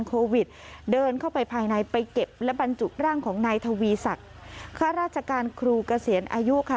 เก็บและบรรจุกร่างของนายทวีสักค่าราชการครูเกษียณอายุค่ะ